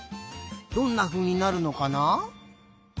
どんなふうになるのかな？